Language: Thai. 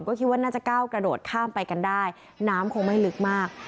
ก็คิดว่าน่าจะก้าวกระโดดข้ามไปกันได้น้ำคงไม่ลึกมาก